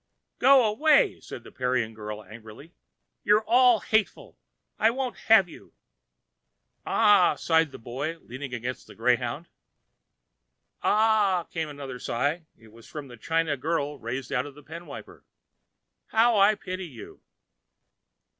"Go away," said the Parian girl, angrily. "You're all hateful. I won't have you." "Ah!" sighed the Boy leaning against a greyhound. "Ah!" came another sigh—it was from the China girl rising out of a pen wiper—"how I pity you!"